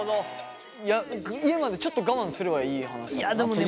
家までちょっと我慢すればいい話だもんな。